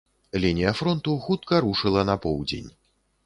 Лінія фронту хутка рушыла на поўдзень.